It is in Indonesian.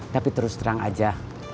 tapi terus terang aja